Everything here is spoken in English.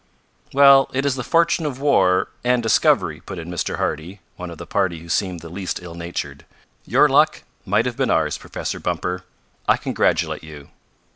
"Well, it is the fortune of war and discovery," put in Mr. Hardy, one of the party who seemed the least ill natured. "Your luck might have been ours, Professor Bumper. I congratulate you."